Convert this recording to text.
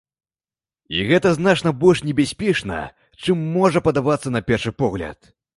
І гэта значна больш небяспечна, чым можа падавацца на першы погляд.